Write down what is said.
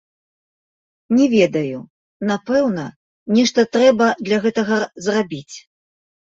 Не ведаю, напэўна, нешта трэба для гэтага зрабіць?